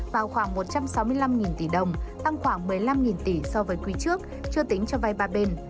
vào khoảng một trăm sáu mươi năm tỷ đồng tăng khoảng một mươi năm tỷ so với quý trước chưa tính cho vay ba bên